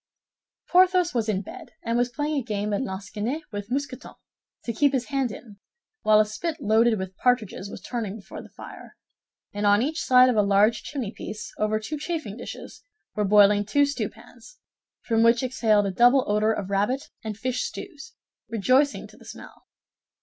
Porthos was in bed, and was playing a game at lansquenet with Mousqueton, to keep his hand in; while a spit loaded with partridges was turning before the fire, and on each side of a large chimneypiece, over two chafing dishes, were boiling two stewpans, from which exhaled a double odor of rabbit and fish stews, rejoicing to the smell.